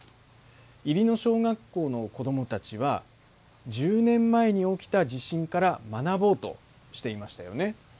入野小学校の子どもたちは１０年前に起きた地震から学ぼうとしていましたよね。